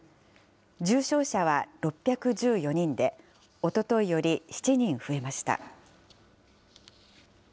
重症者は６１４人で、おとといより７人増えました。